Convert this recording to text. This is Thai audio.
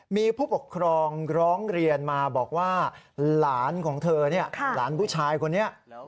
มีผู้ปกครองร้องเรียนมาบอกว่าหลานของเธอเนี่ยหลานผู้ชายคนนี้